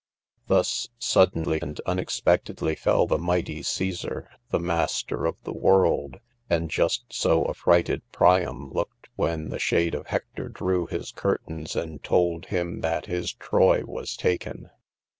Thus suddenly and unexpectedly fell the mighty Cæsar, the master of the world; and just so affrighted Priam looked when the shade of Hector drew his curtains, and told him that his Troy was taken.